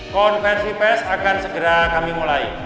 konversi pes akan segera kami mulai